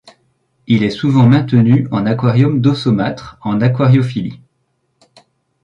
Il est souvent maintenu en aquarium d'eau saumâtre en aquariophilie.